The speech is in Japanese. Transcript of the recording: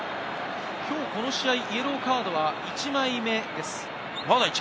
今日この試合、イエローカードは１枚目です。